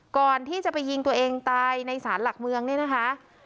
ก่อนที่จะไปยิงตัวเองตายในศาลหลักเมืองเนี่ยนะคะ